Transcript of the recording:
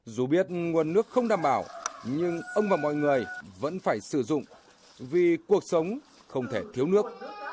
dù biết nguồn nước không đảm bảo nhưng ông và mọi người vẫn phải sử dụng vì cuộc sống không thể thiếu nước